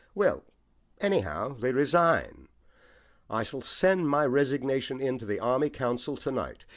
"Well, anyhow, they resign. I shall send my resignation in to the Army Council to night.